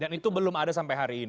dan itu belum ada sampai hari ini